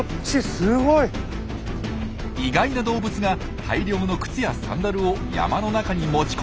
意外な動物が大量の靴やサンダルを山の中に持ち込んでいました。